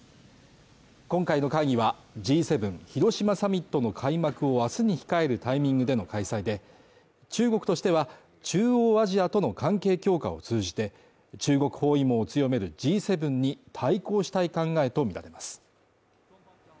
今回の会議はＧ７広島サミットの開幕を明日に控えるタイミングでの開催で、中国としては、中央アジアとの関係強化を通じて、中国包囲網を強めるＧ７に対抗したい考えとみられます。